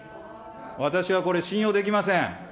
私はこれ、信用できません。